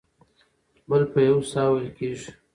بل په یو ساه وېل کېږي.